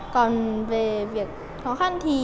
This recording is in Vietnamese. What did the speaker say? còn về việc khó khăn thì